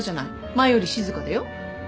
前より静かだよ。